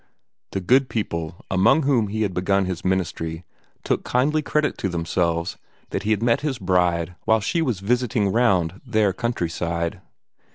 The good people among whom he had begun his ministry took kindly credit to themselves that he had met his bride while she was "visiting round" their countryside.